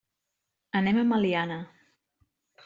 Anem a Meliana.